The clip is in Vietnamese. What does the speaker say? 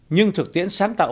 nhưng thực tiễn sáng tạo